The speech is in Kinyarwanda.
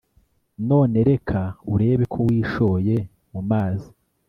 none reka urebeko wishoye mumazi